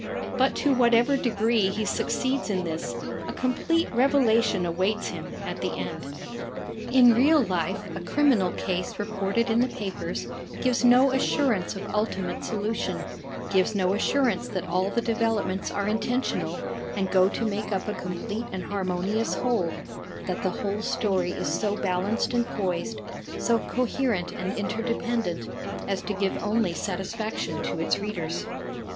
But to whatever degree he succeeds in this, a complete revelation awaits him at the end. In real life a criminal case reported in the papers gives no assurance of ultimate solution, gives no assurance that all the developments are intentional and go to make up a com plete and harmonious whole; that the whole story is so DETECTIVE STORIES 53 balanced and poised, so coherent and interdependent as to give only satisfaction to its readers.